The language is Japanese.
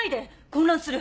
混乱する！